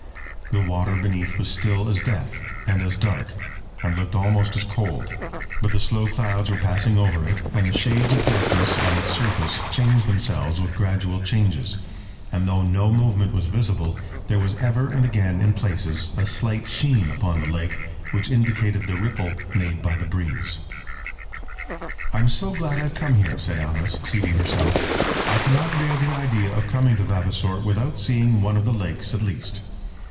The water beneath was still as death, and as dark, and looked almost as cold. But the slow clouds were passing over it, and the shades of darkness on its surface changed themselves with gradual changes. And though no movement was visible, there was ever and again in places a slight sheen upon the lake, which indicated the ripple made by the breeze. "I'm so glad I've come here," said Alice, seating herself. "I cannot bear the idea of coming to Vavasor without seeing one of the lakes at least."